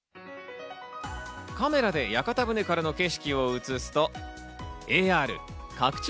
カメラで屋形船からの景色を映すとＡＲ拡張